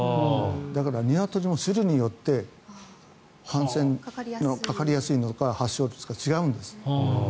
だから、ニワトリの種類によってかかりやすいのか発症率が違うんです。